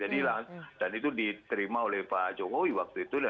dan itu diterima oleh pak jokowi waktu itu